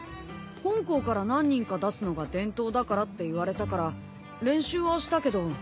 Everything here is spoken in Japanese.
本校から何人か出すのが伝統だからって言われたから練習はしたけど。